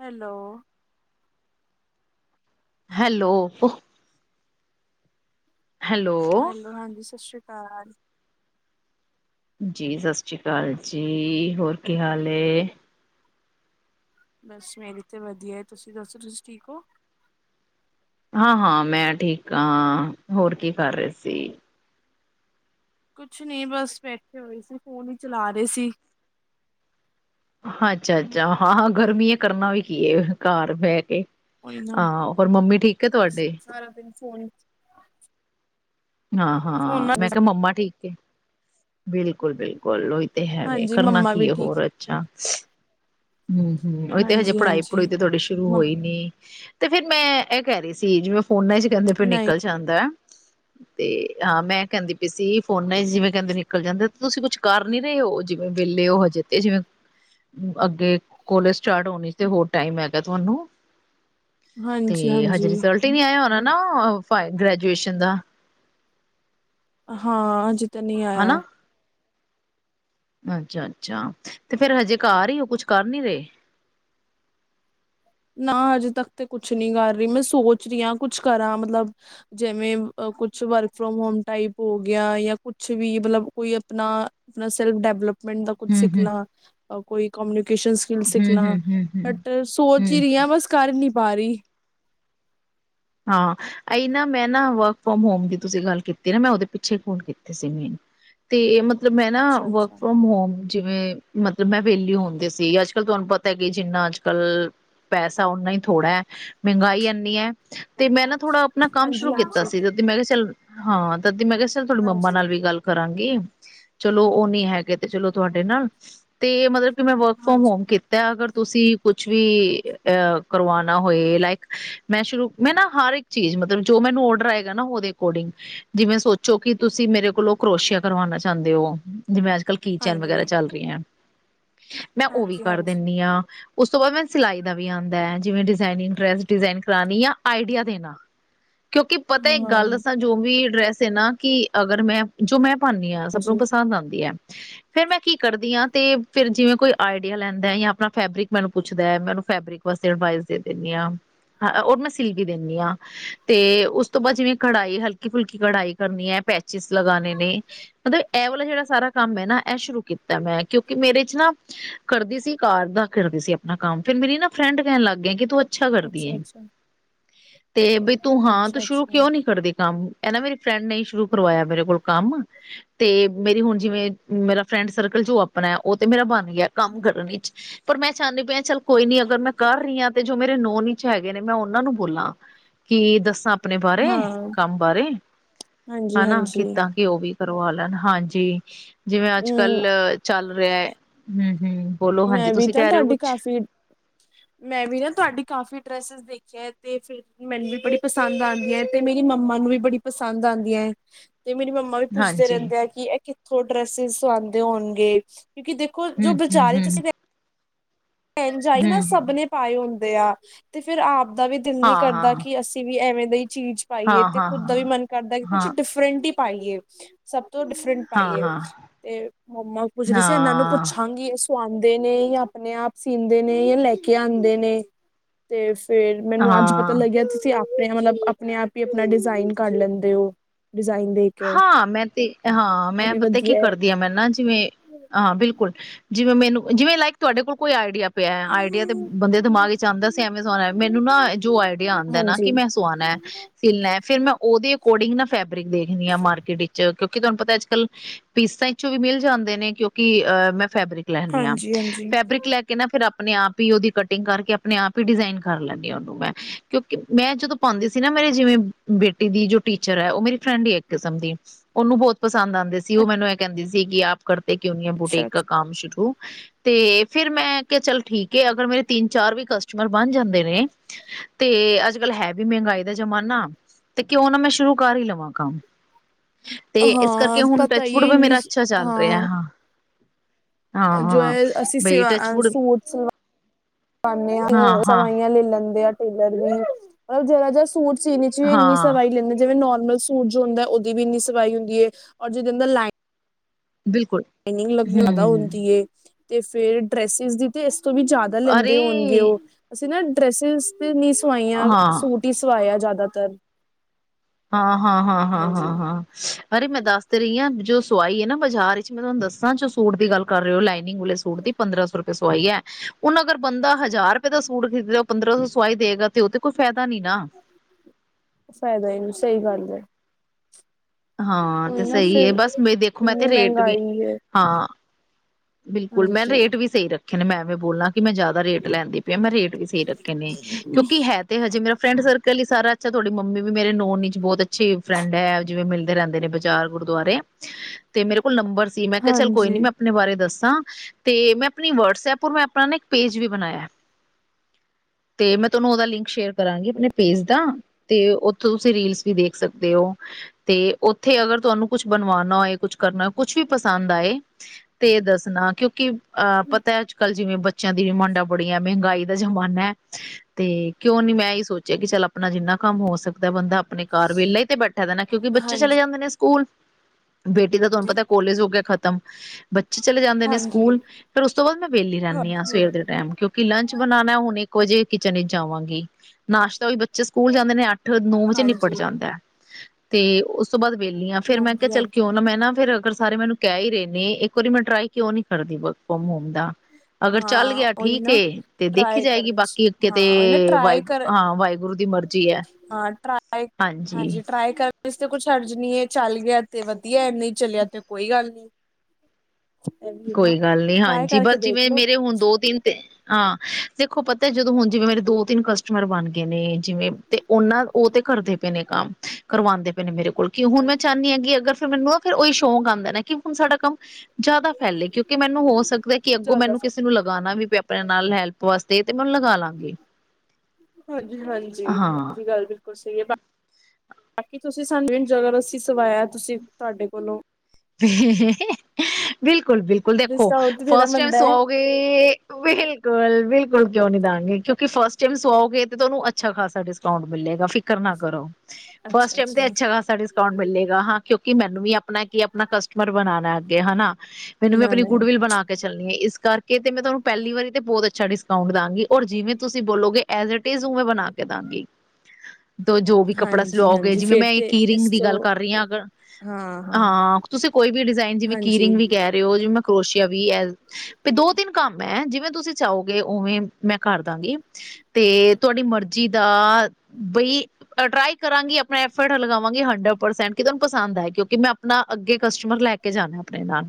Hello hello hello ਹਾਂਜੀ ਸਤਿ ਸ਼੍ਰੀ ਅਕਾਲ ਹ ਜੀ ਸਤਿ ਸ੍ਰੀ ਅਕਾਲ ਜੀ ਹੋਰ ਕੀ ਹਾਲ ਏ ਬਸ ਮੇਰੇ ਤੇ ਵਧੀਆ ਹੈ ਤੁਸੀਂ ਦੱਸੋ ਤੁਸੀਂ ਠੀਕ ਹੋ ਹਾਂ ਹਾਂ ਮੈਂ ਠੀਕ ਹ ਹੋਰ ਕੀ ਕਰ ਰਹੇ ਸੀ ਕੁਛ ਨ ਬਸ ਬੈਠੇ ਹੋਏ ਸੀ ਫੋਨ ਹੀ ਚਲਾ ਰਹੇ ਸੀ ਅੱਛਾ ਅੱਛਾ ਹਾਂ ਗਰਮੀ ਆਂ ਕਰਨਾ ਵੀ ਕੀ ਹੈ ਘਰ ਬਹਿ ਕੇ ਕੋਈ ਨਾ ਹਾਂ ਹੋਰ ਮੰਮੀ ਠੀਕ ਹੈ ਬਸ ਤੁਹਾਡੇ ਸਾਰਾ ਦਿਨ ਫੋਨ ਹਾਂ ਫੋਨ ਹਾਂ ਮੈਂ ਕਿਹਾ ਮੰਮਾ ਠੀਕ ਏ ਬਿਲਕੁਲ ਬਿਲਕੁਲ ਓਹੀ ਤੇ ਹੈਵੇ ਹਾਂਜੀ ਕਰਨਾ ਮੰਮਾ ਵੀ ਕੀ ਹੈ ਠੀਕ ਹੋਰ ਅੱਛਾ ਹਮ ਹਮ ਓਹੀ ਤੇ ਹਜੇ ਹਾਂਜੀ ਪੜ੍ਹਾਈ ਪੁੜਆਈ ਹਾਂਜੀ ਤੇ ਤੁਹਾਡੀ ਸ਼ੁਰੂ ਮ ਹੋਈ ਨੀ ਤੇ ਫੇਿਰ ਮੈਂ ਇਹ ਕਹਿ ਰਹੀ ਸੀ ਜਿਵੇ ਫੋਨਾਂ ਚ ਕਹਿੰਦੇ ਪਏ ਨਹੀਂ ਨਿਕਲ ਜਾਂਦਾ ਤੇ ਹਾਂ ਮੈਂ ਕਹਿੰਦੀ ਪ ਸੀ ਫੋਨਾਂ ਜਿਵੇਂ ਕਹਿੰਦੇ ਨਿਕਲ ਜਾਂਦੇ ਤੁਸੀਂ ਕੁਛ ਕਰ ਨੀ ਰਹੇ ਹੋ ਜਿਵੇਂ ਵਿਹਲੇ ਉਹ ਹਜੇ ਤੇ ਜਿਵੇਂ ਅੱਗੇ ਕੋਲੇਜ ਸਟਾਰਟ ਹੋਣੀ ਤੇ ਹੋਰ ਟਾਈਮ ਹੈਗਾ ਤੁਹਾਨੂੰ ਤੇ ਹਾਂਜੀ ਹਜੇ ਹਾਂਜੀ ਰਿਜਲਟ ਹੀ ਨਹੀਂ ਆਇਆ ਹੋਣਾ ਨਾ ਫ ਗ੍ਰੈਜੂਏਸ਼ਨ ਦਾ ਹਾਂ ਜ ਤੇ ਨਹੀਂ ਆਇਆ ਹਨਾ ਅੱਛਾ ਅੱਛਾ ਤੇ ਫੇਰ ਹਜੇ ਘ ਹੀ ਉਹ ਕੁਛ ਕਰ ਨੀ ਰਹੇ ਨਾ ਅਜੇ ਤੱਕ ਤੇ ਕੁਛ ਨੀ ਕਰ ਰਹੀ ਮੈਂ ਸੋਚ ਰਹੀ ਹ ਕੁਛ ਕਰ ਮਤਲਬ ਜਿਵੇਂ ਕੁਛ ਵਰਕ ਫਰੋਮ ਹੋਮ ਟਾਈਪ ਹੋ ਗਿਆ ਜਾਂ ਕੁਛ ਵੀ ਮਤਲਬ ਕੋਈ ਆਪਣਾ ਆਪਣਾ ਸਲਫ ਡਵਲਪ ਕੁਛ ਹਮ ਸਿੱਖ ਹਮ ਲਾਂ ਕੋਈ ਕਮੁਇਨੀ ਸਿੱਖ ਹਮ ਹਮ ਹਮ ਹਮ ਬ ਸੋਚ ਹਮ ਚਿਰ ਹੀ ਆ ਬਸ ਕਰਨ ਨ ਵ ਬਾਰੀ ਹਾਂ ਇ ਨਾ ਮੈਂ ਨਾ ਵਰਕ ਫਰੋਮ ਹੋਮ ਦੀ ਤੁਸੀਂ ਗੱਲ ਕੀਤੀ ਨਾ ਮੈਂ ਉਹਦੇ ਪਿੱਛੇ ਫੋਨ ਕੀਤੀ ਸੀ ਮੇਨ ਤੇ ਮਤਲਬ ਮੈਂ ਨਾ ਅੱਛਾ ਵਰਕ ਅੱਛਾ ਫਰੋਮ ਹੋਮ ਜਿਵੇਂ, ਮਤਲਬ ਮੈਂ ਵੇਲਊ ਹੁੰਦੇ ਸੀ ਅੱਜ ਕੱਲ੍ਹ ਤੁਹਾਨੂੰ ਪਤਾ ਕਿ ਜਿੰਨਾ ਅੱਜ ਕੱਲ੍ਹ ਪੈਸਾ ਓਨਾ ਹੀ ਥੋੜ੍ਹਾ ਹੈ ਮਹਿੰਗਾਈ ਇੰਨੀ ਹੈ। ਤੇ ਮੈਂ ਨਾ ਥੋੜਾ ਆਪਣਾ ਕੰਮ ਹਾਂਜੀ ਸ਼ੁਰੂ ਕੀਤਾ ਹਾਂਜੀ ਸੀ ਤੇ ਮੈਂ ਕਿਹਾ ਚੱਲ। ਹਾਂ ਤੇ, ਤੇ ਮੈਂ ਕਿਹਾ ਤੁਹਾਡੀ ਮੰਮਾ ਹਾਂਜੀ ਨਾਲ ਵੀ ਗੱਲ ਕਰਾਂਗੀ। ਚਲੋ, ਉਹ ਨੀ ਹੈਗੇ ਤੇ ਚਲੋ ਤੁਹਾਡੇ ਨਾਲ ਤੇ ਮਤਲਬ ਮੈਂ ਵਰਕ ਫਰੋਮ ਹਾਂਜੀ ਹੋਮ ਕੀਤਾ ਅਗਰ ਤੁਸੀਂ ਕੁਛ ਵੀ ਅ ਕਰਵਾਣਾ ਹੋਏ ਲਾਇਕ ਮੈਂ ਸ਼ੁਰੂ ਮੈਂ ਨਾ ਹਰ ਇੱਕ ਚੀਜ਼ ਮਤਲਬ ਜੋ ਮੈਨੂੰ ਡਰ ਆਏਗਾ, ਨਾ ਉਹਦੇ ਅਕੋਰਡਿੰਗ ਜਿਵੇਂ, ਸੋਚੋ ਕਿ ਤੁਸੀਂ ਮੇਰੇ ਕੋਲੋਂ ਕਰੋਸਿਆ ਕਰਵਾਣਾ ਚਾਹੁੰਦੇ ਹੋ। ਜਿਵੇਂ ਅੱਜ ਕੱਲ੍ਹ ਕੀ ਚੈਨ ਵਗੈਰਾ ਹਾਂਜੀ ਚੱਲ ਰਹੀ ਹੈ। ਮੈਂ ਉਹ ਵੀ ਹਾਂਜੀ ਕਰ ਹਾਂਜੀ ਦਿੰਨੀ ਹਾਂ। ਉਸ ਤੋਂ ਬਾਅਦ ਮੈਂ ਸਿਈ ਦਾ ਵੀ ਆਦਾ ਹੈ, ਜਿਵੇਂ ਜ਼ਾਇਨਿੰਗ ਡਰੈਸ ਡਿਜ਼ਾਇਨ ਕਰਉਣੀ ਆ। ਆਈਡੀਆ ਦੇਣਾ, ਕਿਉਂਕਿ ਪਤਾ ਹਾਂ ਇੱਕ ਗੱਲ ਹਾਂ ਦੱਸਾਂ ਜੋ ਵੀ, ਵੇਸੇ ਨਾ ਕਿ ਅਗਰ ਮੈਂ ਜੋ ਮੈਂ ਪਾਦੀ ਹਾਂ ਸਭ ਨੂੰ ਹਾਂਜੀ ਪਸੰਦ ਆਦੀ ਹੈ। ਫੇਰ ਮੈਂ ਕੀ ਕਰਦੀ ਹਾਂ ਤੇ ਫਿਰ ਜਿਵੇਂ ਕੋਈ, ਆਈਡੀਆ ਲੈਂਦਾ ਜਾਂ ਆਪਣਾ ਫੈਬਰਿਕ ਮੈਨੂੰ ਪੁੱਛਦਾ ਮੈਂਨੂੰ ਫੈਬਰਿਕ ਵਾਸਤੇ ਅਡਵਾਈਸ ਦੇ ਦਿੰਦੀ ਆ ਮੈਂ ਸੀ ਵੀ ਦਿੰਦੀ ਹਾਂ, ਤੇ ਉਸ ਤੋਂ ਬਾਅਦ ਜਿਵੇਂ ਕਢਾਈ ਹਲਕੀ ਫੁਲਕੀ ਕਢਾਈ ਕਰਨੀ ਹੈ, ਪੈਚਿਸ ਲਗਾਣੇ ਨੇ ਮਤਲਬ ਇਹ ਵਾਲਾ ਜਿਹੜਾ ਸਾਰਾ ਕੰਮ ਹੈ, ਨਾ ਇਹ ਸ਼ੁਰੂ ਕੀਤਾ ਮੈਂ ਕਿਉਂਕਿ ਮੇਰੇ ਚ ਨਾ ਕਰਦੀ ਸੀ ਘਰ ਦਾ ਕਰਦੀ ਸੀ, ਆਪਣਾ ਕੰਮ ਫੇਰ ਮੇਰੀ ਨਾ ਫਰੈਂਡ ਕਹਿਣ ਲੱਗ ਗਈ। ਅੱਛਾ ਕਰਦੀ ਏ, ਤੇ ਬਈ ਤੂੰ ਹਾਂ ਤੂੰ ਅੱਛਾ ਸ਼ੁਰੂ ਅੱਛਾ ਕਿਉਂ ਨੀ ਕਰਦੀ ਕੰਮ ਇਹ ਨਾ ਮੇਰੀ ਫਰੈਂਡ ਨੇ ਸ਼ੁਰੂ ਕਰਵਾਇਆ, ਮੇਰੇ ਕੋਲ ਕੰਮ ਤੇ ਮੇਰੀ ਹੁਣ ਜਿਵੇਂ ਮੇਰਾ ਫਰੈਂਡ ਸਰਕਲ ਜੋ ਆਪਣਾ ਉਹ ਤੇ ਮੇਰਾ ਬਣ ਜਾਂ ਕੰਮ ਕਰਨ ਚ, ਪਰ ਮੈਂ ਚਾਹੁੰਦੀ ਪਿਆ ਚੱਲ। ਕੋਈ ਨੀ ਅਗਰ ਮੈਂ ਕਰ ਰਹੀ ਹਾਂ। ਤੇ ਜੋ ਮੇਰੇ ਨੋਨ ਚ ਹੈਗੇ ਨੇ ਮੈਂ ਉਹਨਾਂ ਨੂੰ ਬੋਲਾਂ ਕੀ ਦੱਸਾਂ। ਆਪਣੇ ਬਾਰੇ ਹਾਂ ਕੰਮ ਬਾਰੇ ਹਾਂਜੀ ਹਨਾ, ਹਾਂਜੀ ਕੀਤਾ ਕੀ ਔ ਵੀ ਕਰਵਾ ਲੈਣ ਹਾਂਜੀ। ਜਿਵੇਂ ਅੱਜ ਹਮ ਕੱਲ੍ਹ ਚੱਲ, ਚਲ ਰਿਹਾ, ਹੂੰ। ਮੈਂ ਵੀ ਤਾਂ ਤੁਹਾਡੀ ਕਾਫ਼ੀ ਮੈਂ ਵੀ ਨਾ ਤੁਹਾਡੀ ਕਾਫੀ ਡ੍ਰੈੱਸ ਦੇਖਿਆ ਤੇ ਫਿਰ ਮੈਨੂੰ ਵੀ ਬੜੀ ਪਸੰਦ ਆਂਦੀ ਹੈ, ਤੇ ਮੇਰੀ ਮੰਮਾ ਨੂੰ ਵੀ ਬੜੀ ਪਸੰਦ ਆਦੀਆਂ ਹੈ। ਤੇ ਮੇਰੀ ਮੰਮਾ ਵੀ ਪੁੱਛਦੇ ਹਾਂਜੀ ਰਹਿੰਦੇ ਆ ਕਿ ਇਹ ਕਿਥ ਉਹ ਡਰੈਸਿਸ ਸ ਆਦੇ ਹੋਣਗੇ। ਕਿਉਂਕਿ ਦੇਖੋ ਜੋ ਹਮ ਹਮ ਵਿਚਾਰੇ ਹਮ ਪਣ ਜਾਾਈ ਨਾ ਸਭ ਹਮ ਨੇ ਪਾਏ ਹੁੰਦੇ ਆ, ਤੇ ਫਿਰ ਆਪ ਦਾਂ ਵੀ ਦਿਲ ਨੀ ਹਾਂ ਹਾਂ ਕਰਦਾ ਕਿ ਅਸੀਂ ਵੀ ਐਵੇਂ ਦਾ ਹੀ ਚੀਜ਼ ਪਾਈਏ ਤੇ ਹਾਂ ਹਾਂ ਖੁਦ ਦਾ ਵੀ ਹਾਂ ਮਨ ਕਰਦਾ ਕਿ ਕੁੱਛ ਹਾਂ ਡਿਫਰੈਂਟ ਹੀ ਪਾਈਏ ਸਭ ਡਿਫਰੈਂਟ ਪਾਈਏ, ਹਾਂ ਤੇ ਮੰਮਾ ਪੁੱਛ ਰਹੀ ਹਾਂ ਸੀ, ਇਹਨਾਂ ਨੂੰ ਪੁੱਛਾਂਗੀ। ਆਉਂਦੇ ਨੇ ਆਪਣੇ ਆਪ ਸੀਂਦੇ ਨੇ, ਜਾਂ ਲੈ ਕੇ ਆਂਦੇ ਨੇ ਤੇ ਫੇਰ ਹਾਂ ਮੈਨੂੰ ਅੱਜ ਪਤਾ ਹਾਂ ਲੱਗਿਆ ਤੁਸੀਂ ਆਪ ਮਤਲਬ ਆਪਣੇ ਆਪ ਹੀ ਆਪਣਾ ਡਿਜ਼ਾਇਨ ਕਰ ਲੈਂਦੇ ਓ। ਹਾਂ ਮੈਂ ਤੇ ਹਾਂ ਇਹ ਮੈਂ ਵੀ ਪਤਾ ਕੀ ਵਧੀਆ ਹੈ। ਕਰਦੀ ਹਾਂ ਮੈਂ ਨਾ ਜਿਵੇਂ ਹਾਂ ਬਿਲਕੁਲ ਜਿਵੇਂ ਮੈਨੂੰ ਜਿਵੇਂ ਲਾਈਕ ਤੁਹਾਡ ਕੋਈ ਆਈਡੀਆ। ਪਿਆ ਆਈਡੀਆ ਤੇ ਬੰਦੇ ਦਿਮਾਗ ਵਿੱਚ ਆਉਂਦਾ ਸੀ ਐਵੇਂ ਸਣਾ ਮੈਨੂੰ ਨਾ ਜੋ ਆਈਡੀਆ ਆਉਂਦਾ ਨਾ ਹਾਂਜੀ। ਕਿ ਮੈਂ ਸੁਆਣਾ ਸਿਲਣਾ ਫੇਰ ਮੈਂ ਉਹਦੇ ਕੋਡਿੰਗ ਨਾ ਫੈਬਰਿਕ ਦੇ ਮਾਰਕੀਟ ਵਿਚ ਕਿਉਂਕਿ ਤੁਹਾਨੂੰ ਪਤਾ ਅੱਜ ਕੱਲ ਪੀਤਾਂ ਚੋਂ ਵੀ ਮਿਲ ਜਾਂਦੇ ਨੇ ਕਿਉਂਕਿ ਅਹ ਮੈਂ ਫੈਬਰਿਕ ਲੈਣੀ ਆਂ ਹਾਂਜੀ ਹਾਂਜੀ ਫੈਬਰਿਕ ਲੈ ਕੇ ਨਾ ਫਿਰ ਆਪ ਆਪਣੇ ਆਪ ਹੀ ਉਹਦੀ ਕਟਿੰਗ ਕਰਕੇ, ਆਪਣੇ ਆਪ ਹੀ ਡਿਜ਼ਾਇਨ ਕਰ ਲੈਂਦੀ ਆ ਉਹਨੂੰ ਮੈਂ, ਕਿਉਂਕਿ ਮੈਂ ਜਦੋਂ ਪਾਉਂਦੀ ਸੀ ਨਾ ਮੇਰੇ ਜਿਵੇਂ ਬੇਟੀ ਦੀ ਜੋ ਟੀਚਰ ਹੈ ਉਹ ਮੇਰੀ ਫਰੈਂਡ ਹੀ ਆ। ਕਿਸਮ ਦੀ ਉਹਨੂੰ ਬਹੁਤ ਪਸੰਦ ਆਉਂਦੇ ਸੀ, ਉਹ ਮੈਨੂੰ ਇਹ ਕਹਿੰਦੀ ਸੀ ਕਿ ਆਪ ਕਰ ਤੇ ਕਿਉਂ ਨੀ ਆਂ ਅੱਛਾ ਬੁਟੇਕ ਅੱਛਾ। ਕੰਮ ਸ਼ੁਰੂ ਤੇ ਫੇਿਰ ਮੈਂ ਕਿਹਾ ਚੱਲ ਠੀਕ ਹੈ ਅਗਰ ਮੇਰੇ ਤਿੰਨ ਚਾਰ ਵੀ ਕਸਟਮਰ ਬਣ ਜਾਂਦੇ ਨੇ ਤੇ ਅੱਜ ਕੱਲ ਹੈ ਵੀ ਮਹਿੰਗਾਈ ਦਾ ਜ਼ਮਾਨਾ ਤੇ ਕਿਉਂ ਨਾ ਮੈਂ ਸ਼ੁਰੂ ਕਰ ਹੀ ਲਵਾਂ ਕੰਮ ਤੇ ਇਸ ਕਰਕੇ ਹਾਂ ਹੁਣ ਪਤਾ ਟੱਚਵੁਡ ਹੀ ਵੀ ਇੰਨੀ ਮੇਰਾ ਅੱਛਾ ਚੱਲ ਰਿਹਾ ਹਾਂ। ਹਾਂ ਜੋ ਹਾਂ ਹੈ ਅਸੀਂ ਬਈ ਸਿਵਾ ਟੱਚਵੁੱਡ ਸੂਟ ਸ ਪਾਣੇ ਹਾਂ ਸਵਾਈਆਂ ਲੈ ਲੈਂਦੇ ਆ। ਟੇਲਰ ਦੀ ਮਤਲਬ ਜਿਹੜਾ ਜਿਹਾ ਸੂਟ ਚੀਨੀ 'ਚ ਵੀ ਇਨੀ ਹਾਂ ਸਵਾਈ ਲੈਂਦੇ ਜਿਵੇਂ ਨੋ ਸੂਟ ਜੋ ਹੁੰਦਾ ਉਹਦੀ ਵੀ ਇੰਨੀ ਸਵਾਈ ਹੁੰਦੀ ਹੈ, ਔਰ ਜਿਦ ਲਾਇਨ ਬਿਲਕੁਲ ਲਾਈਨਿੰਗ ਲੱ ਜ਼ਿਆਦਾ ਹਮ ਹੁੰਦੀ ਏ। ਤੇ ਫੇਰ ਡਰੈਸਿਸ ਦੀ ਤੇ ਤੋਂ ਵੀ ਜ਼ਿਆਦਾ ਲੈਂਦੇ ਅਰੇ ਹੋਣਗੇ ਉਹ ਅਸੀਂ ਨਾ ਡਰੈਸਿਸ ਏਨੀ ਸਵਾਈਆਂ, ਹਾਂ ਸੂਟ ਹੀ ਸਵਾਇਆ ਜ [unintelligible] ਹਾਂ -ਹਾਂ- ਹਾਂ -ਹਾਂ -ਹਾਂ- ਹਾਂ, [inaudible] ਅਰੇ ਮੈਂ ਦੱਸ ਦੇ ਰਹੀ ਆਂ। ਜੋ ਸਵਾਈ ਹੈ ਨਾ ਬਾਜ਼ਾਰ ਵਿਚ ਮੈਂ ਤੁਹਾਨੂੰ ਦੱਸਾਂ ਜੋ ਸੂਟ ਦੀ ਗੱਲ ਕਰ ਰਹੇ ਹੋ ਲਾਈਨ ਲਾਈਨਿੰਗ ਵਾਲੇ ਸੂਟ ਦੀ ਪੰਦਰਾਂ ਸੌ ਰੁਪ ਸਵਾਈ ਹੈ ਹੁਣ ਅਗਰ ਬੰਦਾ ਹਜ਼ਾਰ ਰੁਪਏ ਦਾ ਸੂਟ ਖਰੀਦਿਆ ਪੰਦਰਾਂ ਸੌ ਸਵਾਈ ਦੇਗਾ ਤੇ ਉਹ ਤੇ ਕੁ ਫਾਇਦਾ ਨੀ ਨਾ ਫਾਇਦਾ ਹੀ ਨਹੀਂ, ਸਹੀ ਗੱਲ ਏ। ਹਾਂ ਤੇ ਸਹੀ ਹੈ ਬਸ ਮੇ ਦੇਖੋ ਮੈਂ ਤੇ ਇੰਨੀ ਰੇਟ ਵੀ ਮਹਿੰਗਾਈ ਹੈ ਹਾਂ ਬਿਲਕੁਲ ਮੈਂ ਹਾਂਜੀ ਰੇਟ ਵੀ ਸਹੀ ਰੱਖ ਕਹਿੰਦੇ ਮੈਂ ਵੀ ਬੋਲਾਂ ਕਿ ਮੈਂ ਜਿਆਦਾ ਰੇਟ ਲੈਣਦੀ ਪਿਆ ਮੈਂ ਰੇਟ ਵੀ ਸਹੀ ਰੱਖੇ ਨੇ ਕਿਉਂਕਿ ਹੈ ਤੇ ਹਜੇ ਮੇਰਾ ਫਰੈਂਡ ਸਰਕਲ ਹੀ ਸਾਰਾ ਅੱਛਾ ਤੁਹਾਡੀ ਮੰਮੀ ਵੀ ਮੇਰੇ ਨੋਨ ਚ ਬਹੁਤ ਅੱਛੇ ਫਰੈਂਡ ਹੈ। ਜਿਵੇਂ ਮਿਲਦੇ ਰਹਿੰਦੇ ਨੇ ਬਾਜ਼ਾਰ ਗੁਰਦੁਆਰੇ ਤੇ ਮੇਰੇ ਕੋਲ ਨੰਬਰ ਸੀ ਮੈਂ ਕਿਹਾ ਚੱਲ ਕੋਈ ਨੀ ਹਾਂਜੀ ਮੈਂ ਆਪਣੇ ਬਾਰੇ ਦੱਸ ਤੇ ਮੈਂ ਆਪਣੀ ਵਟਸਪ ਮੈਂ ਆਪਣਾ ਨੇ ਇੱਕ ਪੇਜ ਵੀ ਬਣਾਇਆ ਤੇ ਮੈਂ ਤੁਹਾਨੂੰ ਓਦਾ ਲਿੰਕ ਸ਼ੇਰ ਕਰਾਂਗੀ ਆਪਣੇ ਪੇਜ ਦਾ ਤੇ ਓਥੋਂ ਤੁਸੀ ਰੀਲਸ ਵੀ ਦੇਖ ਸਕਦੇ ਹੋ ਤੇ ਉੱਥੇ ਅਗਰ ਤੁਹਾਨੂੰ ਕੁਛ ਬਣਵਾਉਣਾ ਹੋਏ ਕੁਛ ਕਰਨਾ ਹੋ ਕੁਛ ਵੀ ਪਸੰਦ ਆਏ ਤੇ ਦੱਸਣਾ ਕਿਉਂਕਿ ਅਹ ਪਤਾ ਅੱਜ ਕੱਲ ਜਿਵੇਂ ਬੱਚਿਆਂ ਦੀ ਡੀਮਾਂਡਾ ਬੜੀਆਂ ਮਹਿੰਗਾਈ ਦਾ ਜ਼ਮਾਨਾ ਹੈ ਤੇ ਕਿਉਂ ਨੀ ਮੈਂ ਇਹ ਸੋਚਿਆ ਕਿ ਚੱਲ ਆਪਣਾ ਜਿੰਨਾ ਕੰਮ ਹੋ ਸਕਦਾ ਬੰਦਾ ਆਪਣੇ ਘਰ ਵੇਹਲਾ ਹੀ ਤੇ ਬੈਠਾ ਕਿਉਂਕਿ ਬੱਚੇ ਚਲੇ ਹਾਂਜੀ ਜਾਂਦੇ ਨੇ ਸਕੂਲ ਬੇਟੀ ਦਾ ਤੁਹਾਨੂੰ ਪਤਾ ਕੋਲੇਜ ਹੋ ਗਿਆ ਤਮ ਬੱਚੇ ਚਲੇ ਜਾਂਦੇ ਨੇ ਹਾਂਜੀ ਸਕੂਲ ਫੇਰ ਉਸ ਤੋਂ ਬਾਅਦ ਮੈਂ ਵਿਹਲੀ ਰਹਿੰਦੀ ਹਾਂ ਹਾਂਜੀ ਹਾਂਜੀ ਸਵੇਰ ਦੇ ਟਾਈਮ ਕਿਉਂਕਿ ਲੰਚ ਬਣਾਉਣਾ ਹੁਣੇ ਇਕ ਵਜੇ ਕਿਚਨ ਵਿੱਚ ਜਾਵਾਂਗੀ ਨਾਸ਼ਤਾ ਹਜੇ ਸਕੂਲ ਜਾਂਦੇ ਨੇ ਅੱਠ ਨੌ ਵਜੇ ਨਿੱਬੜ ਹਾਂਜੀ ਜਾਂਦਾ ਹੈ ਤੇ ਉਸ ਤੋਂ ਬਾਅਦ ਵਿਹਲੀ ਆਾਂ ਫੇਿਰ ਮੈਂ ਕਿਹਾ ਚੱਲ ਹਾਂਜੀ ਕਿਉਂ ਨਾ ਮੈਂ ਨਾ ਫੇਿਰ ਅਗਰ ਸਾਰੇ ਮੈਨੂੰ ਕਹਿ ਹੀ ਰਹੇ ਨੇ ਇੱਕ ਵਾਰੀ ਮੈਂ ਟਰਾਈ ਕਿਉਂ ਨੀ ਕਰਦੀ ਘੁੰਮ ਹੋਮ ਦਾ ਅਗਰ ਚੱਲ ਹਾਂ ਗਿਆ ਉਹੀ ਠੀਕ ਨਾ ਤੇ ਦੇਖੀ ਟਰਾਈ ਜਾਏਗੀ ਕਰਨ ਚ ਹਾਂ ਬਾਕੀਤੇ ਉਹੀ ਨਾ ਵਾਹਿ ਟਰਾਈ ਕਰ ਹਾਂ ਵਾਹਿਗੁਰੂ ਦੀ ਮਰਜ਼ੀ ਹੈ ਹਾਂਜੀ ਇਸ ਤੇ ਕੁਛ ਹਰਜ਼ ਨਹੀਂ ਚੱਲ ਗਿਆ ਤੇ ਵਧੀਆ ਨਹੀਂ ਚੱਲਿਆ ਤੇ ਕੋਈ ਗੱਲ ਨੀ ਇਹ ਵੀ ਹੈ ਨਾ ਕੋਈ ਗੱਲ ਨੀ ਟਰਾਈ ਹਾਂਜੀ ਬਸ ਕਰਕੇ ਜਿਵੇਂ ਦੇਖਲੋ। ਮੇਰੇ ਹੁਣ ਦੋ ਤਿੰਨ ਤੇ ਹਾਂ ਦੇਖੋ ਪਤਾ ਜੋਂ ਹੁਣ ਜਿਵੇ ਮੇਰੇ ਦੋ ਤਿੰਨ ਕ ਬਣ ਗਏ ਜਿਵੇਂ ਤੇ ਉਹਨਾਂ ਉਹ ਤੇ ਕਰਦੇ ਪਏ ਨੇ ਕੰਮ ਕਰਵਾਉਂਦੇ ਪਏ ਨੇ ਮੇਰੇ ਬਿਲਲਕ ਹੁਣ ਮੈਂ ਹਾਂਜੀ ਚਾਹੁੰਦੀ ਹਾਂ ਅਗਰ ਫਿਰ ਮੈਨੂੰ ਨਾ ਫਿਰ ਉਹੀ ਸ਼ੌਂਕ ਆਉਂਦਾ ਨੇ ਹੁਣ ਸਾਡਾ ਕੰਮ ਜ਼ਿਆਦਾ ਫੈਲੇ ਕਿਉਂਕਿ ਮੈਨੂੰ ਹੋ ਸਕਦਾ ਕਿ ਅੱਗੋਂ ਜ਼ਿਆਦਾ ਮੈਨੂੰ ਕਿਸੇ ਨੂੰ ਲਗਾਣਾ ਵੀ ਪ ਆਪਣੇ ਨਾਲ ਹੈਲਪ ਵਾਸਤੇ ਤੇ ਮੈਨੂੰ ਲਗਾ ਲਾਂਗੇ ਹਾਂ। ਕੁਛ। ਬਾਕੀ ਤੁਸੀਂ ਸਾਨੂੰ ਜਗ੍ਹਾ ਦੱਸੀ ਸਵਾਇਆ ਤੁਸੀਂ ਤੁਹਾਡੇ ਕੋਲੋਂ ਬਿਲ ਬਿਲਕੁਲ- ਬਿਲਕੁਲ ਦੇਖੋ ਡਿਸਕਾਊਂਟ ਤੇ ਦੇਣਾ ਫਸਟ ਟਾਈਮ ਬਣਦਾ ਸੁ ਹੈ। ਆਓਗੇ ਬਿਲਕੁਲ- ਬਿਲਕੁਲ। ਗੁ ਕਿਉਂ ਨਹੀਂ ਦਾਂਗੇ ਕਿਉਂਕਿ ਫਸਟ ਟਾਈਮ ਸਵਾਓਗੇ ਤੇ ਤੁਹਾਨੂੰ ਅੱਛਾ ਖਾਸਾ ਡਿਸਕਾਊਂਟ ਮਿਲੇਗਾ ਫਿਕਰ ਨਾ ਕਰੋ। ਫਸਟ ਟਾਈਮ ਤੇ ਅੱਛਾ ਖਾਸਾ ਡਿਸਕੌਂਟ ਮਿਲੇਗਾ ਹਾਂ ਕਿਉਂਕਿ ਕਿ ਮੈਨੂੰ ਵੀ ਆਪਣਾ ਕਿ ਆਪਣਾ ਕਸਟਮਰ ਬਣਾਣਾ ਅੱਗੇ ਹਨਾ ਮੈਨੂੰ ਵੀ ਆਪਣੀ ਬਣਾਣਾ ਹੈ ਗੁੱਡਵਿਲ ਬਣਾ ਕੇ ਚੱਲਣੀ ਹੈ ਇਸ ਕਰਕੇ ਤੇ ਮੈਂ ਤੁਹਾਨੂੰ ਪਹਿਲੀ ਵਾਰੀ ਤੇ ਬਹੁਤ ਅੱਛਾ ਡਿਸਕਾਊਂਟ ਦਾਂਗੀ ਔਰ ਜਿਵੇਂ ਤੁਸੀਂ ਬੋਲੋਗੇ ਐਜ ਏ ਟਿਜ਼ ਓਵੇਂ ਬਣਾ ਕੇ ਦਾਂਗੀ। ਤੋਂ ਜੋ ਵੀ ਕੱਪੜਾ ਹਾਂਜੀ ਸਿਲਵਾਓਗੇ ਹਾਂਜੀ ਜਿਵੇਂ ਫੇਰ ਮੈਂ ਤੇ ਕੀਰਿੰਗ ਇਸ ਦੀ ਤੋਂ ਗੱਲ ਕਰ ਰਹੀ ਹਾਂ ਅਗਰ ਹਾਂ ਤੁਸੀਂ ਕੋਈ ਵੀ ਡਿਜ਼ਾਇਨ ਜਿਵੇਂ ਹਾਂਜੀ ਕੀਰਿੰਗ ਵੀ ਕਹਿ ਰਹੇ ਹੋ ਜਿਵੇਂ ਕਰੋਸ਼ੀਆ ਵੀ ਐ ਵੀ ਦੋ ਤਿੰਨ ਕੰਮ ਹੈ ਜਿਵੇਂ ਜਿਵੇਂ ਤੁਸੀਂ ਚਾਹੋਗੇ ਉਵੇਂ ਮੈਂ ਕਰਦਾਂਗੀ ਤੇ ਤੁਹਾਡੀ ਮਰਜੀ ਦਾ ਬਈ ਟ੍ਰਾਈ ਕਰਾਂਗੀ, ਆਪਣਾ ਐਫਰਟ ਲਗਾਵਾਂਗੀ ਹੰਡਡ ਪਰਸੈਂਟ ਕਿ ਤੁਹਾਨੂੰ ਪਸੰਦ ਆਏ ਕਿਉਂਕਿ ਮੈਂ ਨਾ ਅੱਗੇ ਕਸਟਮਰ ਲੈ ਕੇ ਜਾਣਾ ਆਪਣੇ ਨਾਲ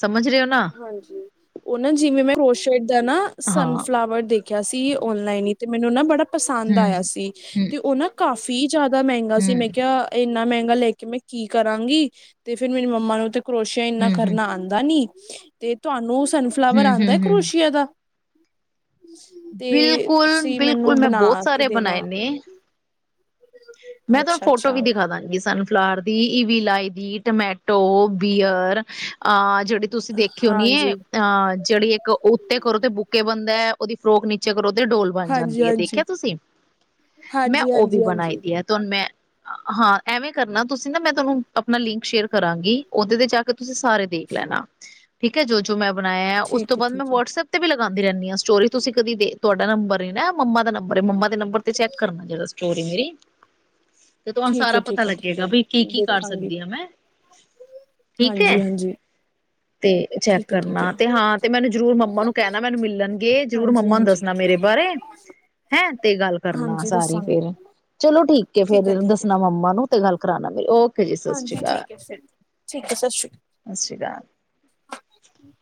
ਸਮਝ ਰਹੇ ਹੋ ਨਾ ਹਾਂਜੀ ਉਹ ਨਾ ਜਿਵੇਂ ਮੈਂ ਰੋਸ਼ਡ ਦਾ ਨਾ ਹਾਂ ਸਨਫਲਾਵਰ ਦੇਖਿਆ ਸੀ ਔਨਲਾਈਨ ਤੇ ਮੈਨੂੰ ਨਾ ਬੜਾ ਪਸੰਦ ਹਮ ਆਇਆ ਸੀ ਹਮ ਤੇ ਉਹ ਨਾ ਕਾਫੀ ਜ਼ਿਆਦਾ ਮਹਿੰਗਾ ਸੀ ਮੈਂ ਹਮ ਕਿਹਾ ਇੰਨਾ ਮਹਿੰਗਾ ਲੈ ਕੇ ਮੈਂ ਕੀ ਕਰਾਂਗੀ ਤੇ ਫੇਰ ਮੇਰੀ ਮੰਮਾ ਨੂੰ ਤੇ ਕਰੋਸ਼ੀਆ ਇੰਨਾ ਹਮ ਹਮ ਕਰਨਾ ਆਂਦਾ ਨੀ ਤੇ ਤੁਹਾਨੂੰ ਸਨਫਲਾਵਰ ਹਮ ਆਂਦਾ ਹੈ ਹਮ ਹਮ ਕਰੋਸ਼ੀਆ ਦਾ [unintelligible] ਤੇ ਬਿਲਕੁਲ- ਤੁਸੀਂ ਬਿਲਕੁਲ ਮੈਨੂੰ ਮੈਂ ਬਣਾ ਬਹੁਤ ਕੇ ਸਾਰੇ ਬਣਾਏ ਦੇਣਾ ਨੇ ਮੈਂ ਤੁਹਾਨੂੰ ਅੱਛਾ ਫੋਟੋ ਵੀ ਅੱਛਾ ਦਿਖਾ ਦਾਂਗੀ, ਸਨਫਲਾਵਰ ਦੀ ਈਵੀ ਲਾਈ ਟਮੈਟੋ ਬੀਅਰ ਅ ਜਿਹੜ ਜਹੀ ਤੁਸੀਂ ਦੇਖੀ ਹੋਣੀ ਏ ਹਾਂਜੀ ਅਹ ਜਿਹੜੀ ਇੱਕ ਉੱਤੇ ਕਰੋ ਤੇ ਬੁਕਕੇ ਬੰਦ ਤੇ ਤੇ ਓਦੀ ਫਰੋਕ ਨੀਚੇ ਕਰੋ ਡੋਲ ਬਣ ਹਾਂਜੀ ਜਾਂਦੀ ਹੈ, ਹਾਂਜੀ ਦੇਖਿਆ ਤੁਸੀਂ ਮੈਂ ਹਾਂਜੀ ਉਹ ਵੀ ਹਾਂਜੀ ਬਣਾਈ। ਹਾਂਜੀ ਮੈਂ ਹਾਂ ਐਵੇਂ ਕਰਨਾ ਤੁਸੀਂ ਨਾ ਮੈਂ ਤੁਹਾਨੂੰ ਆਪਣਾ ਲਿੰਕ ਸ਼ੇਅਰ ਕਰਾਂਗੀ ਉਹਦੇ ਤੇ ਜਾ ਕੇ ਤੁਸੀਂ ਸਾਰੇ ਦੇਖ ਲੈਣਾ। ਠੀਕ ਹੈ ਜੋ ਜੋ ਮੈਂ ਬਣਾਇਆ ਉਸ ਤੋਂ ਠੀਕ ਹੈ ਬਾਅਦ ਮੈਂ ਵਟਸਐਪ ਤੇ ਵੀ ਲ ਪਾਂ ਦੀ ਰਹਿੰਦੀ ਆ ਸਟੋਰੀ ਤੁਸੀਂ ਕਦੀ ਦੇਖ ਤੁਹਾਡਾ ਨੰਬਰ ਹੀ ਨਾ ਮੰਮਾ ਦਾ ਨੰਬਰ ਹੈ ਮੰਮਾ ਦੇ ਨੰਬਰ ਤੇ ਸੈਟ ਕਰਨਾ ਜਿੜ ਚੋਰੀ ਮੇਰੀ ਤੇ ਤੁਹਾਨੂੰ ਠੀਕ ਹੈ ਠੀਕ ਸਾਰਾ ਹੈ ਪਤਾ ਠੀਕ ਹੈ ਠੀਕ ਲੱਗੇਗਾ ਹੈ ਬ ਕੀ ਕੀ ਕਰ ਦੇਖਾਂਗੀ ਸਕਦੀ ਆ ਮੈਂ ਠੀਕ ਹੈ ਹਾਂਜੀ ਹਾਂਜੀ ਤੇ ਚੈੱਕ ਠੀਕ ਹੈ ਠੀਕ ਹੈ ਕਰਨਾ ਤੇ ਹਾਂ ਤੇ ਮੈਨੂੰ ਜ਼ਰੂਰ ਮੰਮਾ ਨੂੰ ਕਹਿਣਾ ਮੈਨੂੰ ਮਿਲਣਗੇ ਜ਼ਰੂਰ ਹਾਂਜੀ ਮੰਮਾ ਨੂੰ ਹਾਂਜੀ ਦੱਸਣਾ ਮੇਰੇ ਬਾਰੇ ਹੈਂ ਤੇ ਗੱਲ ਕਰਨਾ ਹਾਂਜੀ ਸਾਰੀ ਦੱਸਾਂਗੀ ਫਿਰ ਚਲੋ ਠੀਕ ਹੈ ਫਿਰ ਦੱਸਣਾ ਮੰਮਾ ਨੂੰ ਅਤੇ ਗੱਲ ਕਰਾਉਣਾ ਵੀ ਓਕੇ ਜੀ ਸਤਿ ਸ਼੍ਰੀ ਹਾਂਜੀ ਅਕਾਲ ਠੀਕ ਹੈ ਫਿਰ ਠੀਕ ਹੈ ਸਤਿ ਸ਼੍ਰੀ ਸਤਿ ਸ਼੍ਰੀ ਅਕਾਲ ਅਕਾਲ